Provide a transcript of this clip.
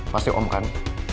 pasti om kan